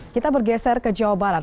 kita bergeser ke jawa barat